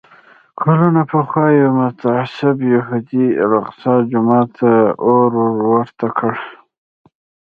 کلونه پخوا یو متعصب یهودي الاقصی جومات ته اور ورته کړ.